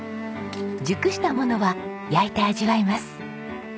熟したものは焼いて味わいます。